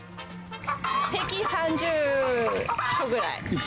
平均３０個くらい。